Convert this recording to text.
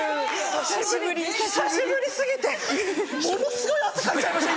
久しぶり過ぎてものすごい汗かいちゃいました